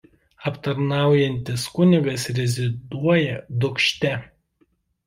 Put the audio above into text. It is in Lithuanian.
Aptarnaujantis kunigas reziduoja Dūkšte.